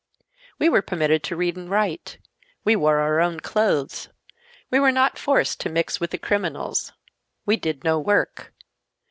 "We were permitted to read and write; we wore our own clothes; we were not forced to mix with the criminals; we did no work.